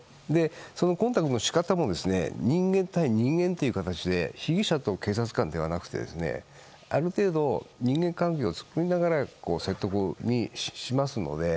そのコンタクトの仕方も人間対人間という形で被疑者と警察官ではなくてある程度、人間関係を作りながら説得をしますので。